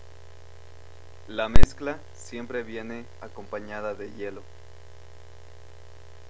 La mezcla siempre viene acompañada de hielo.